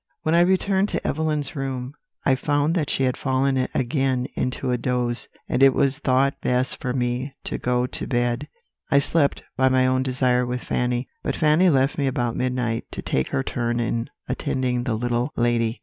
"When I returned to Evelyn's room, I found that she had fallen again into a doze, and it was thought best for me to go to bed. I slept, by my own desire, with Fanny; but Fanny left me about midnight, to take her turn in attending the little lady.